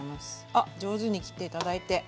あっ上手に切って頂いて。